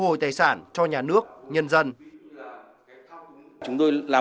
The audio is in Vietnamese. hội tài sản cho nhà nước nhân dân